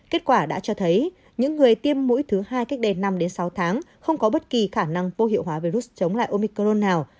kết quả đã cho thấy những người tiêm mũi thứ hai cách đây năm sáu tháng không có bất kỳ khả năng vô hiệu hóa virus chống lại omicron nào